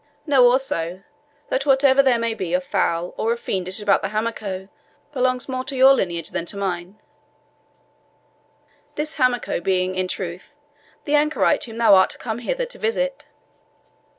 Know, also, that whatever there may be of foul or of fiendish about the Hamako belongs more to your lineage than to mine this Hamako being, in truth, the anchorite whom thou art come hither to visit."